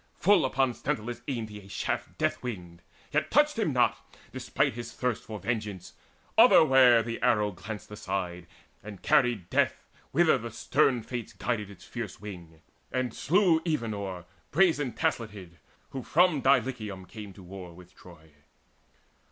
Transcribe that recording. Full upon Sthenelus Aimed he a shaft death winged, yet touched him not, Despite his thirst for vengeance: otherwhere The arrow glanced aside, and carried death Whither the stern Fates guided its fierce wing, And slew Evenor brazen tasleted, Who from Dulichium came to war with Troy.